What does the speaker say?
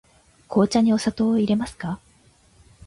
紅茶にお砂糖をいれますか。